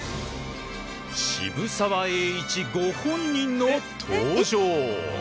渋沢栄一ご本人の登場。